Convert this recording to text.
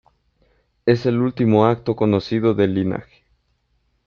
Es el último acto conocido del linaje.